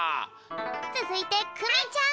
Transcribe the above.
つづいてくみちゃん。